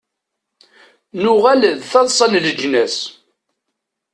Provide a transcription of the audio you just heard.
Nuɣal d taḍṣa n leǧnas.